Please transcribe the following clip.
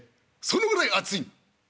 そのぐらい熱い」。